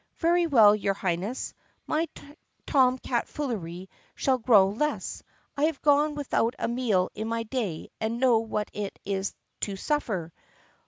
"Very well, your Highness, my tomcatfoolery shall grow less. I have gone without a meal in my day and know what it is to suffer."